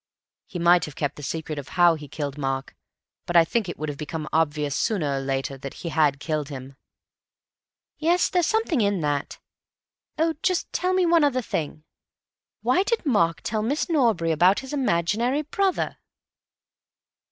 He might have kept the secret of how he killed Mark, but I think it would have become obvious sooner or later that he had killed him." "Yes, there's something in that.... Oh, just tell me one thing. Why did Mark tell Miss Norbury about his imaginary brother?"